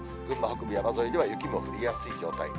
群馬北部、山沿いでは雪も降りやすい状態。